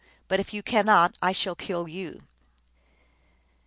But if you cannot, I shall kill you."